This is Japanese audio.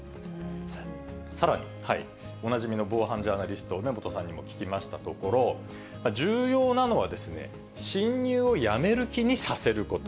さらにおなじみの防犯ジャーナリスト、梅本さんにも聞きましたところ、重要なのは、侵入をやめる気にさせること。